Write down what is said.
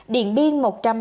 điện biên một trăm ba mươi